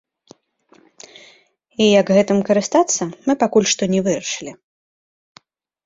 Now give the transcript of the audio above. І як гэтым карыстацца, мы пакуль што не вырашылі.